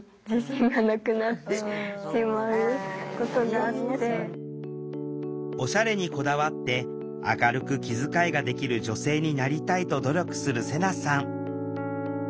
私もおしゃれにこだわって明るく気遣いができる女性になりたいと努力するセナさん。